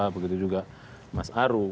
begitu juga mas aru